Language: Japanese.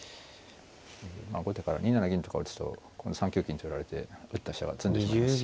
まあ後手から２七銀とか打つと今度３九金と寄られて打った飛車が詰んでしまいますし。